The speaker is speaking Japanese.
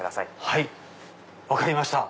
はい分かりました。